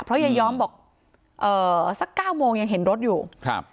เพราะยายอมบอกเอ่อสักเก้าโมงยังเห็นรถอยู่ครับ